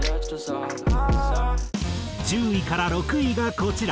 １０位から６位がこちら。